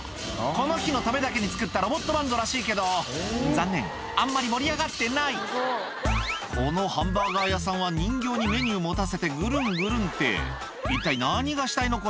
この日のためだけに作ったロボットバンドらしいけど残念あんまり盛り上がってないこのハンバーガー屋さんは人形にメニュー持たせてぐるんぐるんって一体何がしたいの？